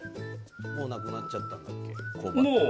もうなくなっちゃったんだっけ？